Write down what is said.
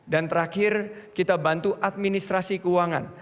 dan terakhir kita bantu administrasi keuangan